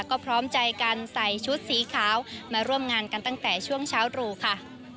ก็พร้อมใจกันใส่ชุดสีขาวมาร่วมงานกันตั้งแต่ช่วงเช้ารูค่ะ